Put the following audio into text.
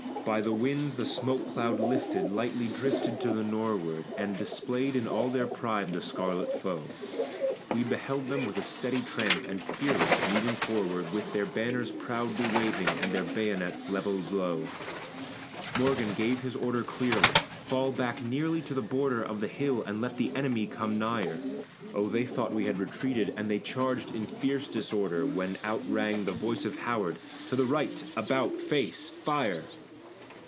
By the wind the smoke cloud lifted lightly drifted to the nor'ward, And displayed in all their pride the scarlet foe; We beheld them, with a steady tramp and fearless, moving forward, With their banners proudly waving, and their bayonets levelled low. Morgan gave his order clearly "Fall back nearly to the border Of the hill and let the enemy come nigher!" Oh! they thought we had retreated, and they charged in fierce disorder, When out rang the voice of Howard "To the right about, face! Fire!"